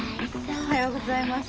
おはようございます。